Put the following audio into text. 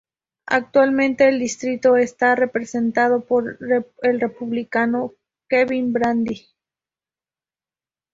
Actualmente el distrito está representado por el Republicano Kevin Brady.